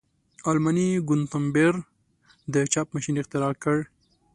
آلماني ګونتبر د چاپ ماشین اختراع کړ.